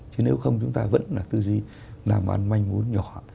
chứ nếu không chúng ta vẫn là tư duy làm màn manh muốn nhỏ